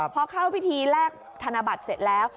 พอเข้าพิธีแลกธนบัตรเสร็จแล้ว